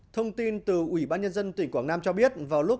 thông tin từ ủy ban nhân dân tỉnh quảng nam cho biết